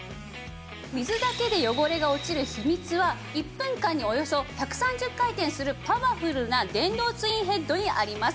水だけで汚れが落ちる秘密は１分間におよそ１３０回転するパワフルな電動ツインヘッドにあります。